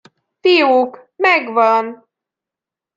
Fiúk, megvan.